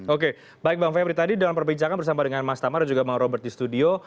oke baik bang febri tadi dalam perbincangan bersama dengan mas tamar dan juga bang robert di studio